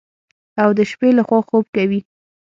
او د شپې لخوا خوب کوي.